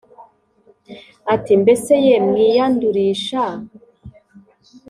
Ati mbese ye mwiyandurisha